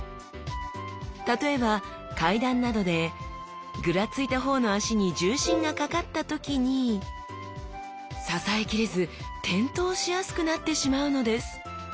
例えば階段などでグラついた方の脚に重心がかかった時に支えきれず転倒しやすくなってしまうのです